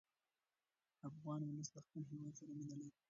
افغان ولس له خپل هېواد سره مینه لري.